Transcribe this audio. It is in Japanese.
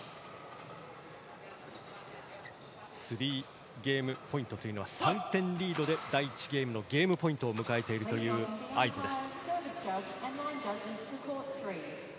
３ゲームポイントというのは３点リードでゲームポイントを迎えているという合図です。